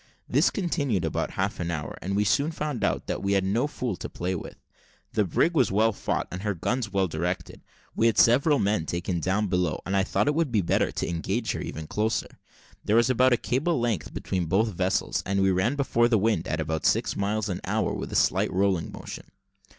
This continued about half an hour, and we soon found that we had no fool to play with. The brig was well fought, and her guns well directed. We had several men taken down below, and I thought it would be better to engage her even closer. There was about a cable's length between both vessels, as we ran before the wind, at about six miles an hour with a slight rolling motion.